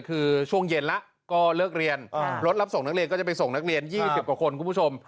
คือช่วงเย็นแล้วก็เลิกเรียนรถรับส่งนักเรียนก็จะไปส่งนักเรียน๒๐กว่าคนคุณผู้ชม